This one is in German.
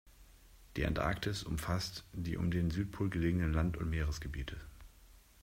Die Antarktis umfasst die um den Südpol gelegenen Land- und Meeresgebiete.